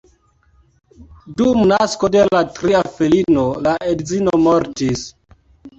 Dum nasko de la tria filino la edzino mortis.